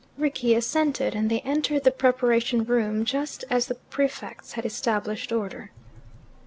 Rickie assented, and they entered the preparation room just as the prefects had established order.